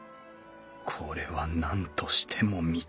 これはなんとしても見たい